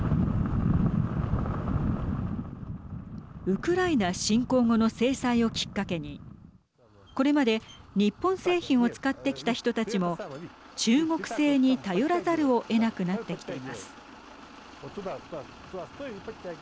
ウクライナ侵攻後の制裁をきっかけにこれまで日本製品を使ってきた人たちも中国製に頼らざるをえなくなってきています。